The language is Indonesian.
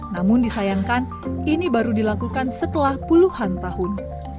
namun disayangkan ini baru dilakukan setelah puluhan tahun